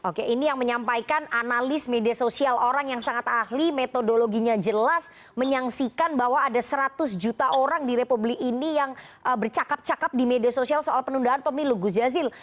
oke ini yang menyampaikan analis media sosial orang yang sangat ahli metodologinya jelas menyaksikan bahwa ada seratus juta orang di republik ini yang bercakap cakap di media sosial soal penundaan pemilu gus jazil